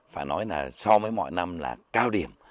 phải nói là so với mọi năm là cao điểm